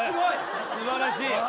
素晴らしい。